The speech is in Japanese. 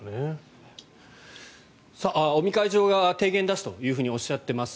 尾身会長が提言を出すとおっしゃっています。